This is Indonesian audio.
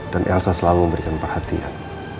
dan elsa selalu memberikan perhatian